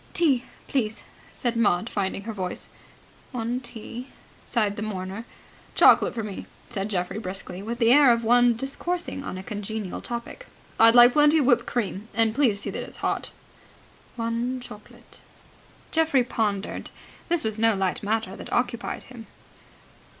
"Tea, please," said Maud, finding her voice. "One tea," sighed the mourner. "Chocolate for me," said Geoffrey briskly, with the air of one discoursing on a congenial topic. "I'd like plenty of whipped cream. And please see that it's hot." "One chocolate." Geoffrey pondered. This was no light matter that occupied him.